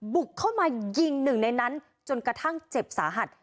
บุกเข้ามายิงหนึ่งในนั้นจนกระทั่งเจ็บสาหัส